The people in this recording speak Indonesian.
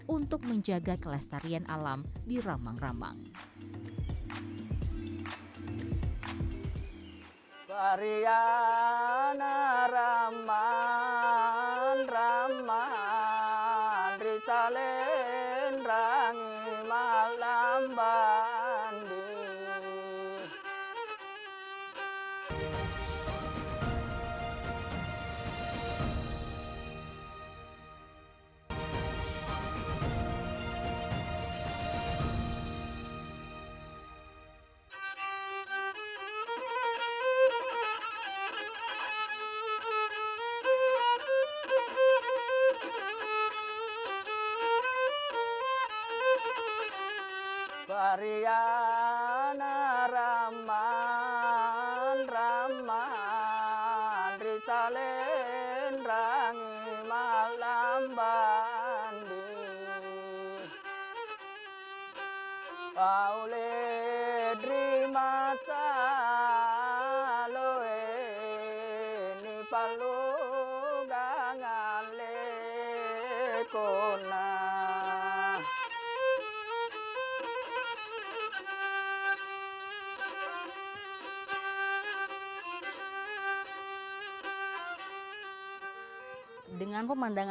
untuk menjaga kelestarian alam di rambang rambang